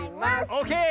オーケー！